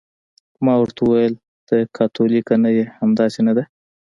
ما ورته وویل: ته کاتولیکه نه یې، همداسې نه ده؟